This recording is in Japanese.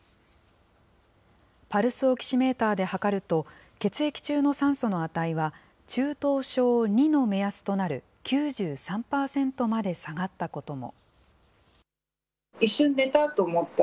パルスオキシメーターで測ると、血液中の酸素の値は、中等症２の目安となる９３％まで下がったことも。